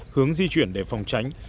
hướng di chuyển để phòng tránh